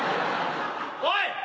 おい！